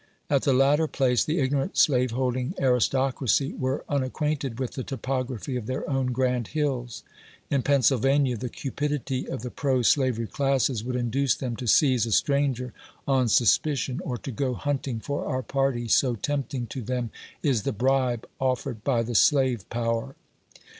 At the latter place, the ignorant slaveholding aris tocracy were unacquainted with the topograph}' of their own grand hills; — in Pennsylvania, the cupidity of the pro sla very classes would induce them to seize a .stranger on suf pi 4 54 a voice mom habmsr's fkkky. cion, or to go hunting for our party, so tempting to them is the bribe offered by the Slave Power.